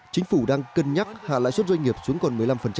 chính phủ đang cân nhắc hạ lãi suất doanh nghiệp xuống còn một mươi năm